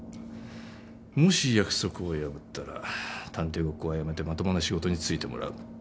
もし約束を破ったら探偵ごっこはやめてまともな仕事に就いてもらう。